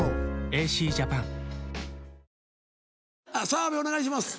澤部お願いします。